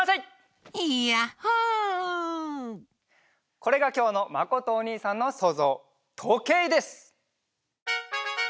これがきょうのまことおにいさんのそうぞうとけいです！